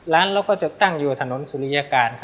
ร้านเราก็จะตั้งอยู่ถนนสุริยการ